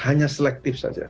hanya selektif saja